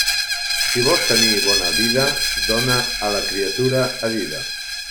Si vols tenir bona vida, dóna la criatura a dida.